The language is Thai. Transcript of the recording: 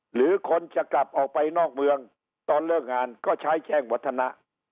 หรือคนจะกลับออกไปนอกเมืองตอนเลิกงานก็ใช้แจ้งวัฒนะ